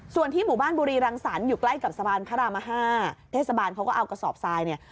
ส่วนที่หมู่บ้านบุรีรังสรรค์อยู่ใกล้กับสะพานพระราม๕เทศบาลเขาก็เอากระสอบทรายเนี่ย